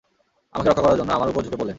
আমাকে রক্ষা করার জন্য আমার উপর ঝুঁকে পড়লেন।